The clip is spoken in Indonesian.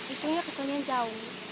itunya kecuali jauh